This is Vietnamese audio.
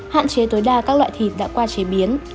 hạn chế tối đa các loại thịt đã qua chế biến